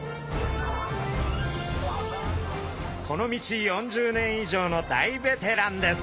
この道４０年以上の大ベテランです。